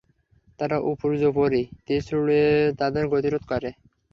তারা উপর্যুপরি তীর ছুড়ে তাদের গতিরোধ করে।